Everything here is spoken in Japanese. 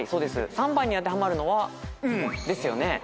３番に当てはまるのは？ですよね。